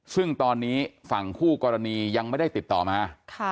ซึ่งตอนนี้ฝั่งคู่กรณียังไม่ได้ติดต่อมา